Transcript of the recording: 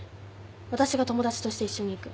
わたしが友達として一緒に行く。